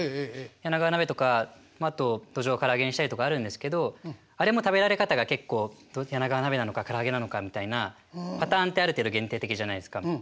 柳川鍋とかまああとドジョウをから揚げにしたりとかあるんですけどあれも食べられ方が結構柳川鍋なのかから揚げなのかみたいなパターンってある程度限定的じゃないですか。